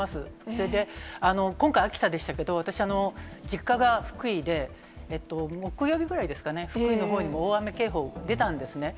それで、今回、秋田でしたけど、私、実家が福井で、木曜日ぐらいですかね、福井のほうにも大雨警報、出たんですね。